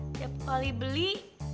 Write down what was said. tiap kali beli